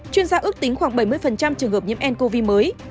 chuyên gia ước tính khoảng bảy mươi trường hợp nhiễm ncov mới